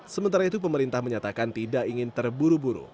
sementara itu pemerintah menyatakan tidak ingin terburu buru